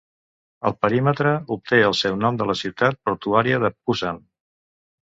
El perímetre obté el seu nom de la ciutat portuària de Pusan.